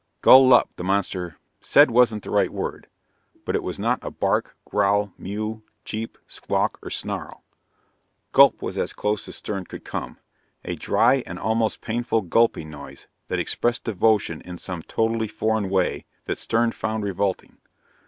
"Gull Lup," the monster said wasn't the right word, but it was not a bark, growl, mew, cheep, squawk or snarl. Gulp was as close as Stern could come, a dry and almost painful gulping noise that expressed devotion in some totally foreign way that Stern found revolting.